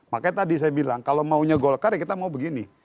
makanya tadi saya bilang kalau maunya golkar ya kita mau begini